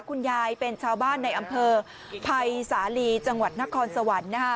คุณยายเป็นชาวบ้านในอำเภอภัยสาลีจังหวัดนครสวรรค์นะฮะ